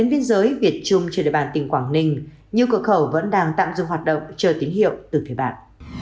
đến viên giới việt trung trên đề bàn tỉnh quảng ninh nhiều cửa khẩu vẫn đang tạm dùng hoạt động chờ tín hiệu từ phía bạn